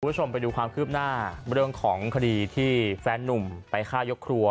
คุณผู้ชมไปดูความคืบหน้าเรื่องของคดีที่แฟนนุ่มไปฆ่ายกครัว